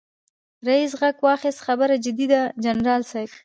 ريس غږ واېست خبره جدي ده جنرال صيب.